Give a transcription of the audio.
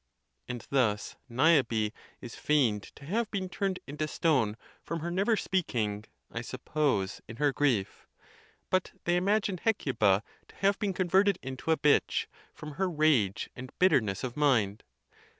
And thus Niobe is feigned to have been turned into stone, from her never speaking, I suppose, in her grief. But they imagine Hecuba to have been converted into a bitch, from her rage and bitterness of mind.